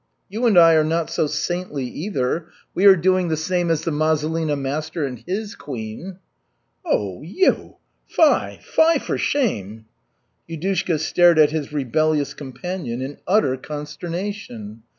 You and I are not so saintly either, we are doing the same as the Mazulina master and his queen." "Oh, you! Fie, fie, for shame!" Yudushka stared at his rebellious companion in utter consternation.